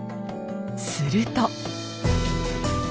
すると。